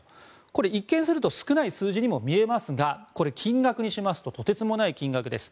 これ、一見すると少ない数字にも見えますがこれ、金額にしますととてつもない金額です。